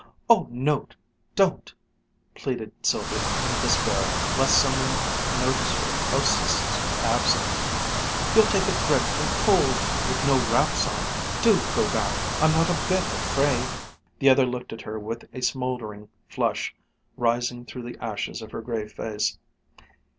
"Oh no! Don't!" pleaded Sylvia in despair lest some one notice her hostess' absence. "You'll take a dreadful cold! With no wraps on do go back! I'm not a bit afraid!" The other looked at her with a smoldering flush rising through the ashes of her gray face.